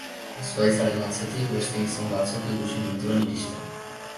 Zuhaitzaren atzetik, beste gizon batzuk ikusi nituen iristen.